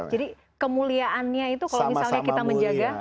jadi kemuliaannya itu kalau misalnya kita menjaga